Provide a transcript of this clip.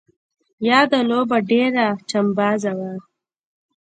یاده لوبه ډېره چمبازه وه.